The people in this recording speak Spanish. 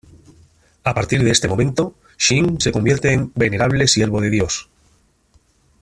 A partir de este momento, Sheen se convierte en "Venerable Siervo de Dios".